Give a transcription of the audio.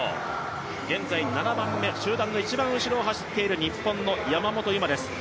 現在７番目集団の後ろを走っている日本の山本有真です。